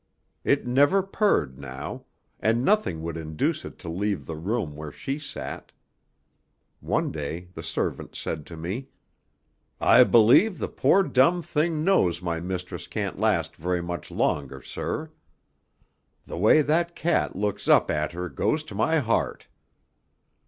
It never purred now, and nothing would induce it to leave the room where she sat. One day the servant said to me: "I believe the poor dumb thing knows my mistress can't last very much longer, sir. The way that cat looks up at her goes to my heart.